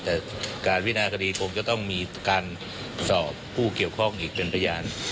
แต่การวินาคดีคงจะต้องมีการสอบผู้เกี่ยวข้องอีกเป็นพยาน